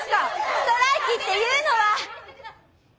ストライキっていうのは！